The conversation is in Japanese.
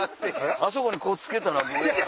あそこにこうつけたら？